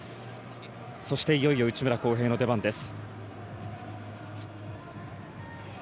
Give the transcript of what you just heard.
そしていよいよ内村航平の出番です。